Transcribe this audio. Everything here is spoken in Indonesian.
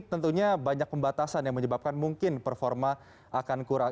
tentunya banyak pembatasan yang menyebabkan mungkin performa akan kurang